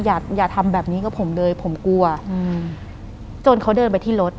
อย่าอย่าทำแบบนี้กับผมเลยผมกลัวอืมจนเขาเดินไปที่รถ